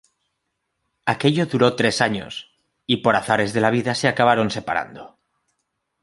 Aquello duró tres años, y por azares de la vida se acabaron separando.